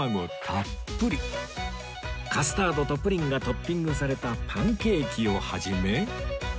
たっぷりカスタードとプリンがトッピングされたパンケーキを始め